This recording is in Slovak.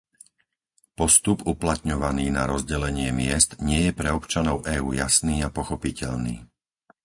Postup uplatňovaný na rozdelenie miest nie je pre občanov EÚ jasný a pochopiteľný.